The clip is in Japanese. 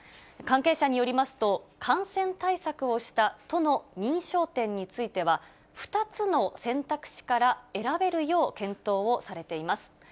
関係者によりますと、感染対策をした都の認証店については、２つの選択肢から選べるよう検討をされています。